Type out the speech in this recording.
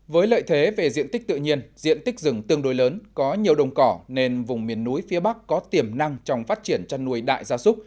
với lợi thế về diện tích tự nhiên diện tích rừng tương đối lớn có nhiều đồng cỏ nên vùng miền núi phía bắc có tiềm năng trong phát triển chăn nuôi đại gia súc